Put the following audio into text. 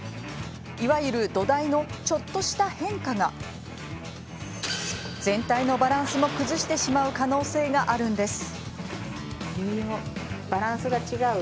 いわゆる土台のちょっとした変化が全体のバランスも崩してしまう可能性があるんです。